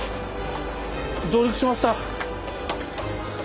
上陸しました。